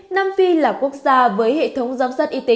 nam phi là quốc gia với hệ thống giám sát y tế